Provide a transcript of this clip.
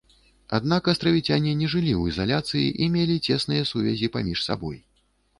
Аднак астравіцяне не жылі ў ізаляцыі і мелі цесныя сувязі паміж сабой.